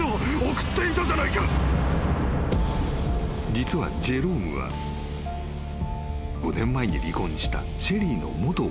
［実はジェロームは５年前に離婚したシェリーの元夫］